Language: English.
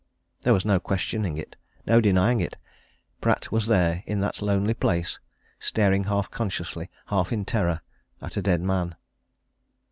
There was no questioning it, no denying it Pratt was there in that lonely place, staring half consciously, half in terror, at a dead man.